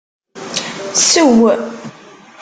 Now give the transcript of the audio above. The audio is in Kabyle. Sew!